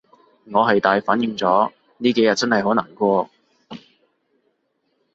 我係大反應咗，呢幾日真係好難過